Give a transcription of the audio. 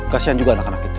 kasian juga anak anak kita